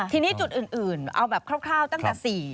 ที่นี่จุดอื่นเอาแบบคร่าวตั้งแต่๔๘แบบนี้